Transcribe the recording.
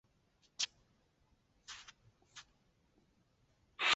伍丰科技为一间于台湾证券柜台买卖中心上市之公司。